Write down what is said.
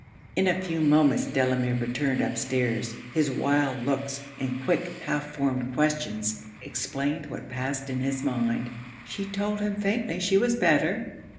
In a few moments Delamere returned up stairs. His wild looks, and quick, half formed questions, explained what passed in his mind. She told him faintly she was better.